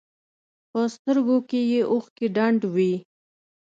په سترګو کښې يې اوښکې ډنډ وې.